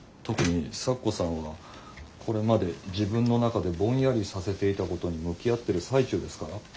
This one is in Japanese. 特に咲子さんはこれまで自分の中でぼんやりさせていたことに向き合ってる最中ですから。